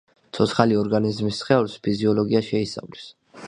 ცოცხალი ორგანიზმის სხეულს ფიზიოლოგია შეისწავლის.